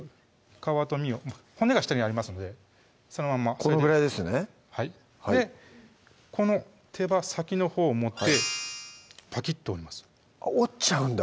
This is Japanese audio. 皮と身を骨が下にありますのでそのまんまこのぐらいですねはいこの手羽先のほうを持ってパキッと折ります折っちゃうんだ